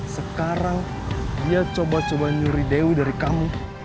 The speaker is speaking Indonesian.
sekarang dia coba coba nyuri dewi dari kamu